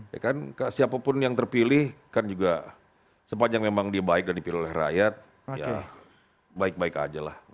ya kan siapapun yang terpilih kan juga sepanjang memang dia baik dan dipilih oleh rakyat ya baik baik aja lah